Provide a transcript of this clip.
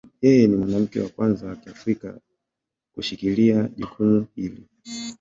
Yeye ni mwanamke wa kwanza wa Kiafrika kushikilia jukumu hili.